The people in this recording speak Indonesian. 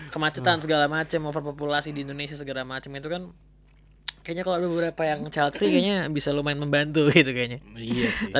kemacetan segala macem overpopulasi di indonesia segala macam itu kan kayaknya kalau ada beberapa yang child free kayaknya bisa lumayan membantu gitu kayaknya